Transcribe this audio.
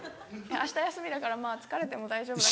明日休みだからまぁ疲れても大丈夫だけど。